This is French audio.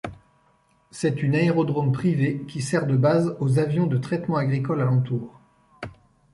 C'est une aérodrome privé qui sert de base aux avions de traitement agricoles alentour.